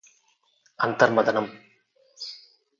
అంతర్మధనం